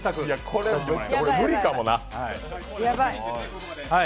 これ、無理かもな。